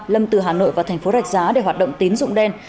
lâm từ hà nội vào thành phố rạch giá để hoạt động tín dụng đen